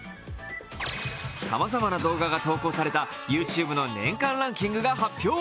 さまざまな動画が投稿されたＹｏｕＴｕｂｅの年間ランキングが発表。